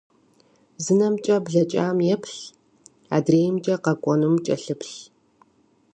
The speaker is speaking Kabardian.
Зы нэмкӏэ блэкӏам еплъ, адреимкӏэ къэкӏуэнум кӏэлъыплъ.